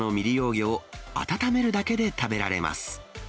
魚を温めるだけで食べられます。